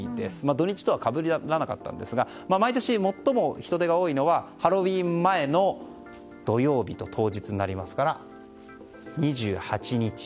土日とはかぶらなかったんですが毎年、最も人出が多いのはハロウィーン前の土曜日と当日になりますから２８日。